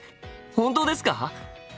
本当ですか！？